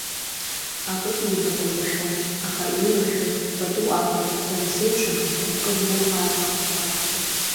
Акык-ҩбак лрашәон, аха илрашәоз пату ақәын, сара сеиԥш абыӷьқәа кыдӷәыхаа акәымкәа.